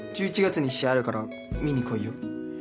１１月に試合あるから見に来いよ。